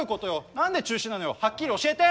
何で中止なのよはっきり教えて！